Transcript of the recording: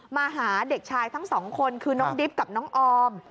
มาหาเด็กชายทั้งสองคนคือน้องดิบกับน้องออม